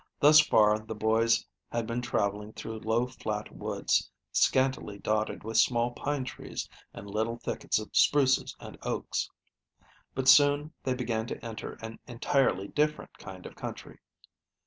Thus far the boys had been traveling through low, flat woods, scantily dotted with small pine trees and little thickets of spruces and oaks, but soon they began to enter an entirely different kind of country.